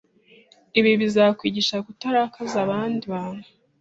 Ibi bizakwigisha kutarakaza abandi bantu